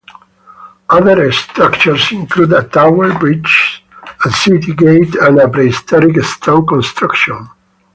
Other structures include a tower, bridges, a city gate, and a prehistoric stone construction.